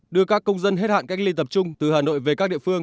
đưa các công dân hết hạn cách ly tập trung từ hà nội về các địa phương